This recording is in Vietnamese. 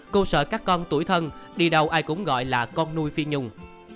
cô sợ các con tuổi thân đi đâu ai cũng gọi là con nuôi phi nhung